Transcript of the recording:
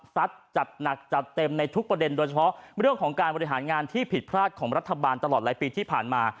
จัดหนักจัดเต็มในทุกประเด็นโดยเฉพาะเรื่องของการบริหารงานที่ผิดพลาดของรัฐบาลตลอดหลายปีที่ผ่านมา